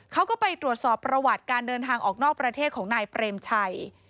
เขาก็ไปตรวจสอบประวัติการเดินทางออกนอกประเทศของนายเปรมชัย